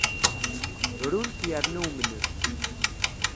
Runt yerna umnent.